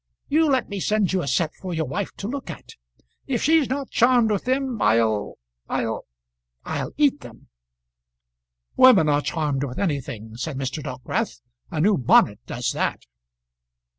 You let me send you a set for your wife to look at. If she's not charmed with them I'll I'll I'll eat them." "Women are charmed with anything," said Mr. Dockwrath. "A new bonnet does that."